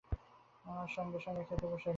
আমরা সঙ্গে-সঙ্গে খেতে বসে গেলাম।